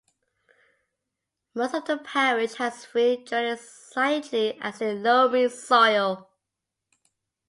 Most of the parish has free draining slightly acid loamy soil.